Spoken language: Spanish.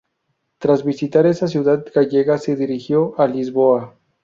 Tras visitar esa ciudad gallega se dirigió a Lisboa.